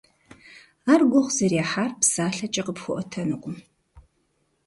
Ар гугъу зэрехьар псалъэкӀэ къыпхуэӀуэтэнукъым.